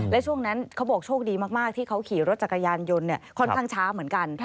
และช่วงนั้นเขาบอกโชคดีมากที่เขาขี่รถจักรยานยนต์ค่อนข้างช้าเหมือนกัน